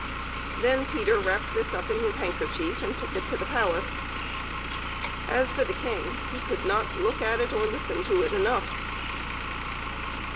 Then Peter wrapped this up in his handkerchief and took it to the palace. As for the King, he could not look at it or listen to it enough.